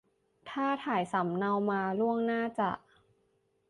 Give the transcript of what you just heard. ถ้าถ่ายสำเนามาล่วงหน้าจะ